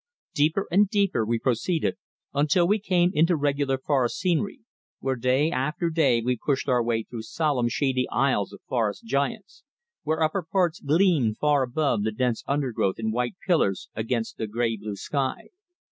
Deeper and deeper we proceeded until we came into regular forest scenery, where day after day we pushed our way through solemn shady aisles of forest giants, whose upper parts gleamed far above the dense undergrowth in white pillars against the grey blue sky.